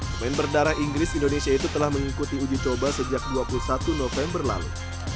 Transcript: pemain berdarah inggris indonesia itu telah mengikuti uji coba sejak dua puluh satu november lalu